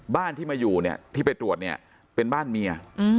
บ้านที่มาอยู่เนี่ยที่ไปตรวจเนี่ยเป็นบ้านเมีย